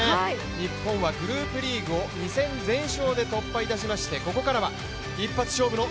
日本はグループリーグを２戦全勝で突破いたしましてここからは一発勝負の